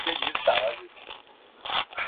El follaje se produce en una roseta basal.